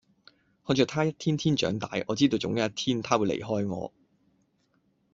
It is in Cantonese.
看着他一天天長大，我知道總有一天他會離開我